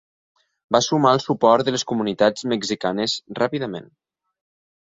Va sumar el suport de les comunitats mexicanes ràpidament.